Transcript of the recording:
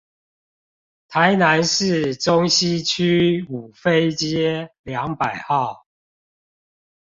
台南市中西區五妃街兩百號